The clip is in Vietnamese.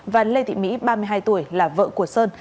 và lê thị mỹ ba mươi hai tuổi là vợ của sơn